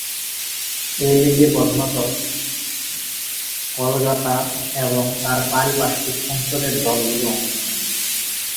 এই লিগে প্রধানতঃ কলকাতা এবং তার পারিপার্শ্বিক অঞ্চলের দলগুলো অংশ নেয়।